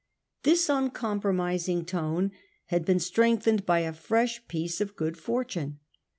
This uncompromising tone had been strengthened by a fresh piece of good fortune.